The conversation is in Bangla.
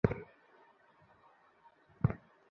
ঠিক আছে, স্টিফলার।